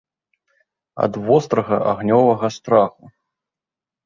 Ад вострага, агнёвага страху.